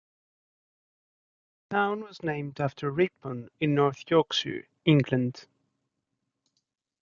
The town was named after Ripon in North Yorkshire, England.